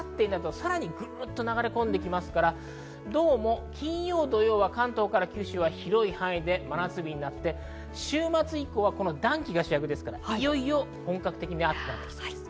明後日になるとさらに、ぐっと流れ込んできますから、どうも金曜、土曜は関東から九州は広い範囲で真夏日になって、週末以降は暖気が主役ですから、いよいよ本格的に暑くなって来そうです。